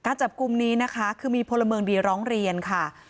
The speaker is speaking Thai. จับกลุ่มนี้นะคะคือมีพลเมืองดีร้องเรียนค่ะ